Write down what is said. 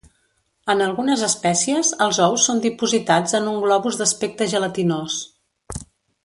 En algunes espècies, els ous són dipositats en un globus d'aspecte gelatinós.